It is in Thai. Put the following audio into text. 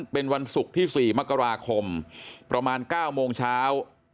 เป็นวันศุกร์ที่๔มกราคมประมาณ๙โมงเช้า